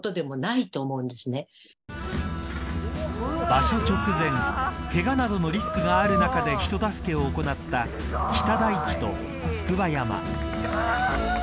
場所直前けがなどのリスクがある中で人助けを行った北大地と筑波山。